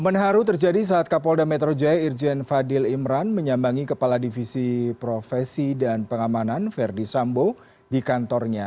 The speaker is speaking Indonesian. momen haru terjadi saat kapolda metro jaya irjen fadil imran menyambangi kepala divisi profesi dan pengamanan verdi sambo di kantornya